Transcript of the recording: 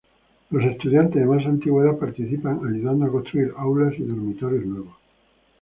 Los estudiantes de más antigüedad participaban ayudando a construir aulas y dormitorios nuevos.